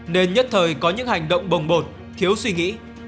nên nhất thời có những hành động bồng bột thiếu suy nghĩ